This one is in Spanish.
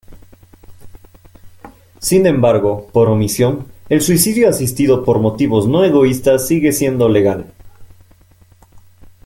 Sin embargo, por omisión, el suicidio asistido por motivos no egoístas sigue siendo legal.